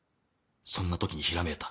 そんな時にひらめいた